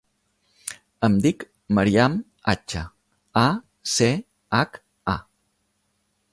Em dic Maryam Acha: a, ce, hac, a.